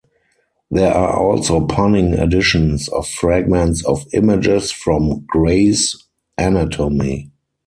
There are also punning additions of fragments of images from "Gray's Anatomy".